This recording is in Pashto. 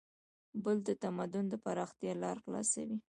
پل د تمدن د پراختیا لار خلاصوي.